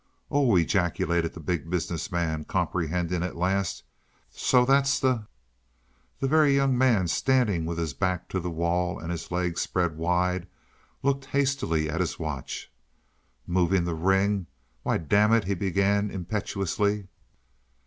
"Oh," ejaculated the Big Business Man, comprehending at last, "so that's the " The Very Young Man standing with his back to the wall and his legs spread wide looked hastily at his watch. "Moving the ring? Why, damn it " he began impetuously.